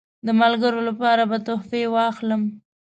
د ملګرو لپاره به تحفې واخلم.